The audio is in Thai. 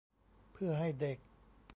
เพื่อให้เด็ก